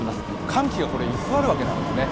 寒気が居座るわけなんですね。